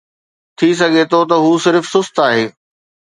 ٿي سگهي ٿو ته هو صرف سست آهي.